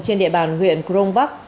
trên địa bàn huyện kronbach